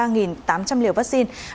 nghìn tám trăm linh liều vaccine